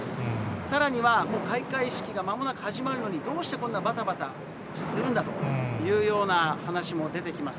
さらにはもう開会式がまもなく始まるのに、どうしてこんなばたばたするんだというような話も出てきます。